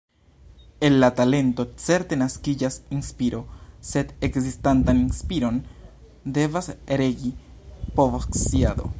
El la talento certe naskiĝas inspiro, sed ekzistantan inspiron devas regi povosciado.